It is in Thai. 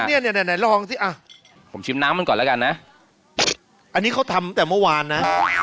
เนี่ยไหนลองสิอ่ะผมชิมน้ำมันก่อนแล้วกันนะอันนี้เขาทำตั้งแต่เมื่อวานนะ